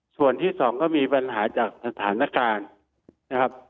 ส่วนที่สองก็มีปัญหาจากสถานการณ์นะครับ